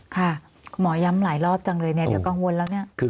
ค่ะหมอย้ำหลายรอบจังเลยเนี่ยเดี๋ยวกังวลแล้วเนี่ย